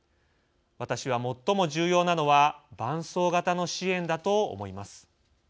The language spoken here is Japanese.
私は最も重要なのは伴走型の支援だと思います。